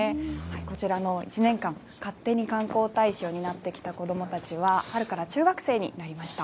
こちらの１年間、勝手に観光大使を担ってきた子どもたちは、春から中学生になりました。